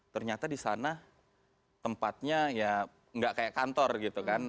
ternyata disana tempatnya ya gak kayak kantor gitu kan